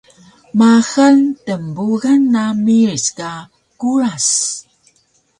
Maxal tnbugan na miric ka Kuras